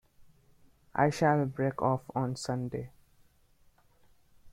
I shall break off on Sunday.